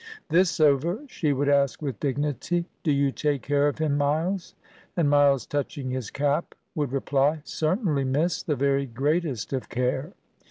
This over, she would ask with dignity, "Do you take care of him, Miles?" And Miles, touching his cap, would reply, "Certainly, miss, the very greatest of care."